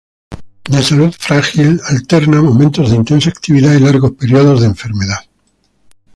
De salud frágil, alterna momentos de intensa actividad y largos períodos de enfermedad.